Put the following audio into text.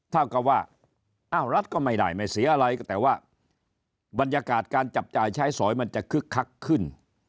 เท่ากับว่าอ้าวรัฐก็ไม่ได้ไม่เสียอะไรแต่ว่าบรรยากาศการจับจ่ายใช้สอยมันจะคึกคักขึ้น